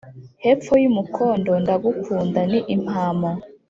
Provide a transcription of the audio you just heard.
Hepfo y'umukondo ndagukunda ni impamo